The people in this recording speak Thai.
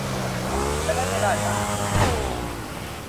จะได้ไม่ล่าช้าหากถูกเรียกตรวจ